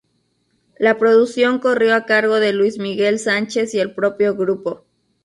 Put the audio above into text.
La producción corrió a cargo de Luis Miguel Sánchez y el propio grupo.